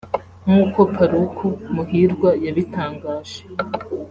nk’uko Paluku Muhirwa yabitangaje